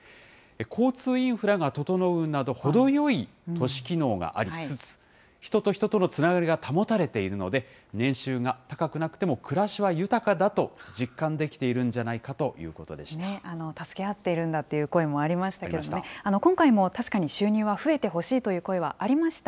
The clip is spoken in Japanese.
交通インフラが整うなど、程よい都市機能がありつつ、人と人とのつながりが保たれているので、年収が高くなくても暮らしは豊かだと実感できているんじゃないか助け合っているんだという声もありましたけどね、今回も確かに収入は増えてほしいという声もありました。